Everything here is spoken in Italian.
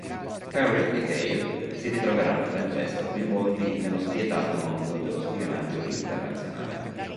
Perry e Gail si ritroveranno ben presto coinvolti nello spietato mondo dello spionaggio internazionale.